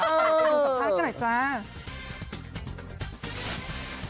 บริการสะพานกันหน่อยจ้า